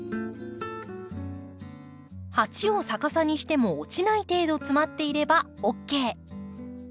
鉢を逆さにしても落ちない程度詰まっていればＯＫ。